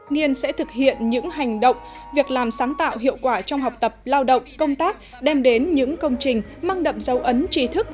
nghiên sẽ thực hiện những hành động việc làm sáng tạo hiệu quả trong học tập lao động công tác đem đến những công trình mang đậm dấu ấn trí thức